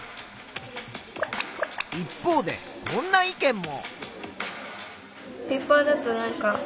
一方でこんな意見も。